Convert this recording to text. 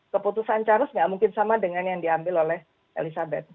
keputusan charles nggak mungkin sama dengan yang diambil oleh elizabeth